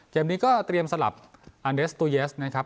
เกมนี้ก็เตรียมสลับอันเดสตูเยสนะครับ